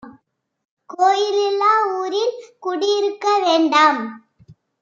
கோயில் இல்லா ஊரில் குடி இருக்க வேண்டாம்